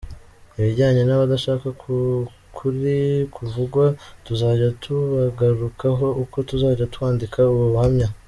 Ibijyanye n’abadashaka ko ukuri kuvugwa tuzajya tubagarukaho uko tuzajya twandika ubu buhamya.